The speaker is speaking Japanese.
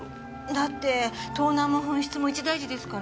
だって盗難も紛失も一大事ですから。